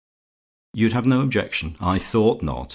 "YOU'D HAVE NO OBJECTION? "I thought not!